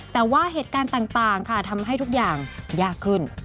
แต่ว่าเหตุการณ์ต่างค่ะทำให้ทุกอย่างยากขึ้น